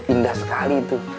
indah sekali itu